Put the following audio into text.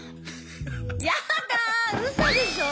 やだうそでしょ！